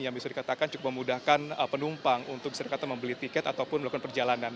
yang bisa dikatakan cukup memudahkan penumpang untuk bisa dikatakan membeli tiket ataupun melakukan perjalanan